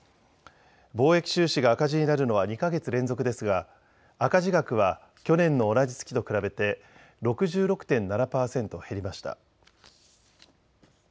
貿易収支が赤字になるのは２か月連続ですが赤字額は去年の同じ月と比べて６６．７％減りました。